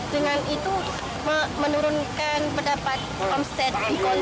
dengan itu menurunkan pendapat omset